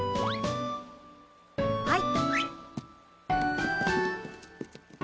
はい。